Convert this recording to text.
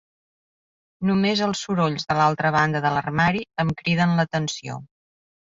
Només els sorolls de l'altra banda de l'armari em criden l'atenció.